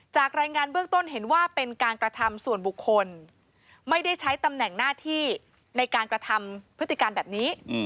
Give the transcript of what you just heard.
รายงานเบื้องต้นเห็นว่าเป็นการกระทำส่วนบุคคลไม่ได้ใช้ตำแหน่งหน้าที่ในการกระทำพฤติการแบบนี้